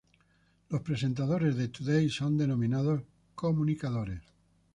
Los presentadores de "Today" son denominados "comunicadores".